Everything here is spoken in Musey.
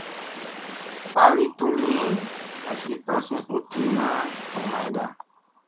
Falii tummii asi bassi u tiina ko mayɗa.